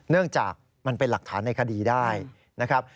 เนื่องจากมันเป็นหลักฐานในคดีได้นะครับ